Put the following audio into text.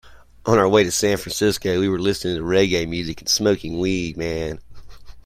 On our way to San Francisco, we were listening to reggae music and smoking weed.